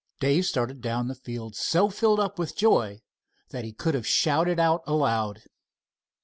Dave started down the field so filled with joy that he could have shouted out aloud.